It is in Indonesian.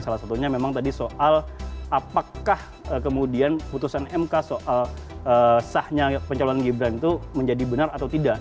salah satunya memang tadi soal apakah kemudian putusan mk soal sahnya pencalonan gibran itu menjadi benar atau tidak